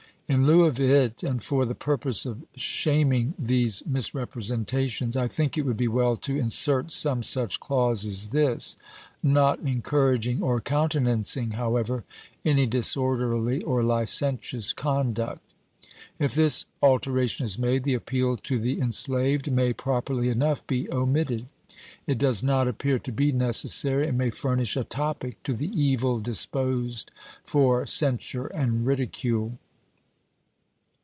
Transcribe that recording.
In lieu of it, and for the purpose of sham ing these misrepresentations, I think it would be well to insert some such clause as this: "not encouraging or countenancing, however, any disorderly or licentious con duct." If this alteration is made, the appeal to the en slaved may, properly enough, be omitted. It does not appear to be necessary, and may furnish a topic to the evil disposed for censure and ridicule.